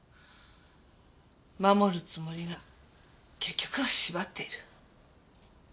守るつもりが結局は縛っている。